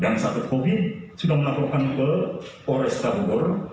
dan sakit covid sembilan belas sudah melakukan ke polres kabupaten bogor